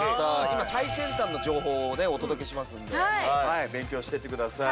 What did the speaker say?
今最先端の情報をねお届けしますので勉強していってください。